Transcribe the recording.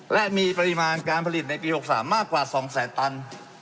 และมีปริมาณการผลิตในปี๖๓มากกว่า๒แสนตัน